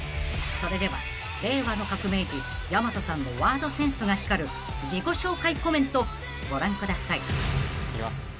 ［それでは令和の革命児やまとさんのワードセンスが光る自己紹介コメントご覧ください］いきます。